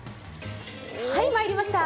はい、まいりました。